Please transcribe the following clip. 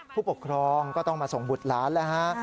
ผู้ปกครองก็ต้องมาส่งบุตรหลานแล้วฮะ